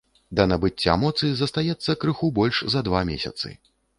Да набыцця моцы застаецца крыху больш за два месяцы.